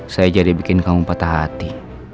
saya jadi bikin kamu patah hati